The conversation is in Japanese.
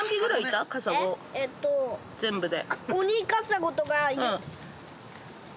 全部で。